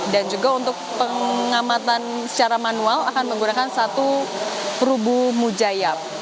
dan juga untuk pengamatan secara manual akan menggunakan satu perubu mujayab